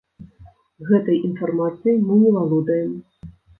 Гэтай інфармацыяй мы не валодаем.